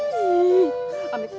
tidak ini sih